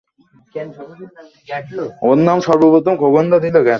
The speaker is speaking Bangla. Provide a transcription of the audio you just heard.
ওহ, ঠিক, ঠিক, আমার সেটা জানা উচিত ছিল।